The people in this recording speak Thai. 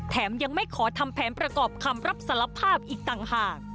ยังไม่ขอทำแผนประกอบคำรับสารภาพอีกต่างหาก